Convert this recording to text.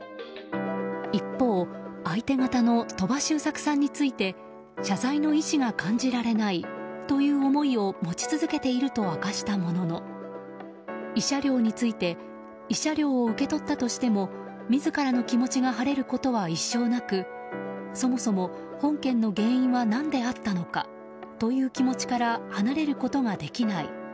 一方、相手方の鳥羽周作さんについて謝罪の意思が感じられないという思いを持ち続けていると明かしたものの慰謝料について慰謝料を受け取ったとしても自らの気持ちが晴れることは一生なくそもそも本件の原因は何であったのか？という気持ちから離れることができない。